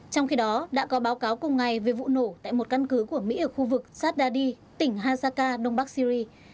trong khi đó đã có báo cáo cùng ngày về vụ nổ tại một căn cứ của mỹ ở khu vực saddadi tỉnh hasaka đông bắc syri